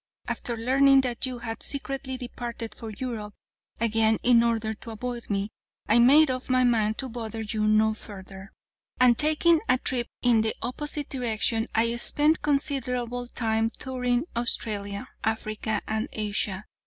After learning that you had secretly departed for Europe again in order to avoid me, I made up my mind to bother you no further, and taking a trip in the opposite direction I spent considerable time touring Australia, Africa and Asia.